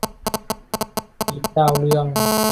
กลีบดาวเรือง